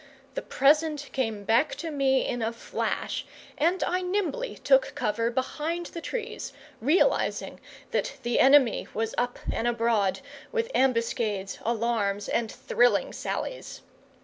The present came back to me in a flash, and I nimbly took cover behind the trees, realising that the enemy was up and abroad, with ambuscades, alarms, and thrilling sallies.